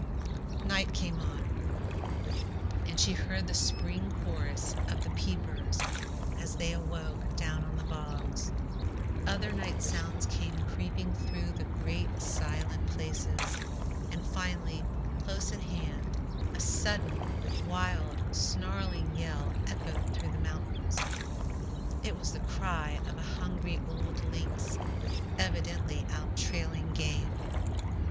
Night came on, and she heard the spring chorus of the "peepers," as they awoke, down in the bogs. Other night sounds came creeping through the great, silent places, and finally, close at hand, a sudden, wild, snarling yell echoed through the mountains. It was the cry of a hungry old lynx evidently out trailing game.